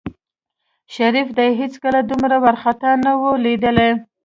شريف دى هېڅکله دومره وارخطا نه و ليدلى.